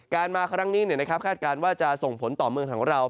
การมาคลั้งนี้หน่อยนะครับคาดการณ์ว่าจะส่งผลต่อเมืองของเรา